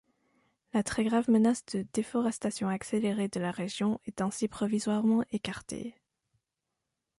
La très grave menace de déforestation accélérée de la région est ainsi provisoirement écartée.